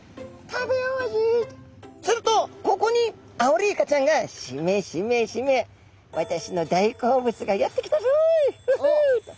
するとここにアオリイカちゃんが「しめしめしめ私の大好物がやって来たぞい！フフ！」と。